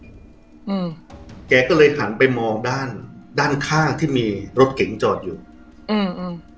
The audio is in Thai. อืมแกก็เลยหันไปมองด้านด้านด้านข้างที่มีรถเก๋งจอดอยู่อืมอืม